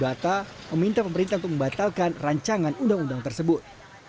data meminta pemerintah untuk membatalkan rancangan undang undang tersebut